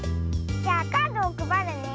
じゃあカードをくばるね。